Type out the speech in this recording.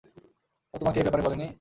ও তোমাকে এ ব্যাপারে বলেনি?